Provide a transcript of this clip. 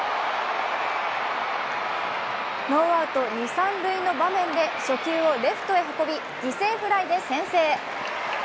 ノーアウト、二・三塁の場面で初球をレフトに運び犠牲フライで先制。